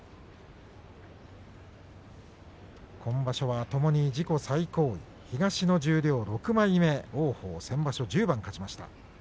今場所はともに自己最高位東の十両６枚目王鵬は先場所１０番勝ちました。